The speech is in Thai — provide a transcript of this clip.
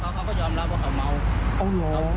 ผมถามเขาเขาก็ยอมรับว่าเขาเม้าเอ้าเหรอ